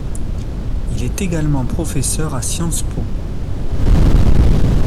Il est également professeur à Sciences Po.